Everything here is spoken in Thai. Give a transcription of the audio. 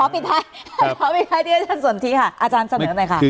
ขอปิดท้ายอาจารย์สนทิค่ะอาจารย์เสนอหน่อยค่ะ